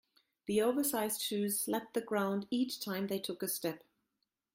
Their oversized shoes slapped the ground each time they took a step.